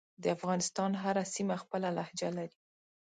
دافغانستان هره سیمه خپله لهجه لری